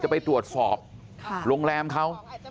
ไปตรวจสอบโรงแรมเขา